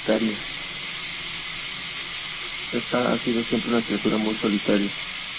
Lestat ha sido siempre una criatura muy solitaria.